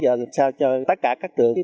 giờ sao cho tất cả các trường